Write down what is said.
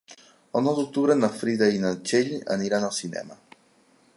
El nou d'octubre na Frida i na Txell aniran al cinema.